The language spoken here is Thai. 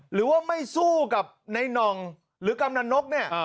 หรือว่าไม่สู้กับในน่องหรือกำนันนกเนี่ย